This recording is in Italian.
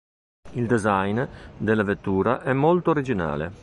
Il design della vettura è molto originale.